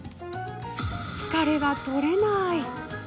疲れが取れない。